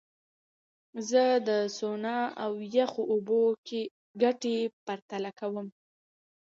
زه د سونا او یخو اوبو ګټې پرتله کوم.